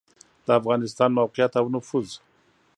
د افغانستان موقعیت او نفوس